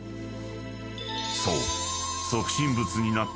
［そう］